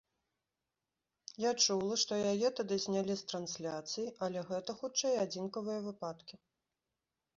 Я чула, што яе тады знялі з трансляцыі, але гэта, хутчэй, адзінкавыя выпадкі.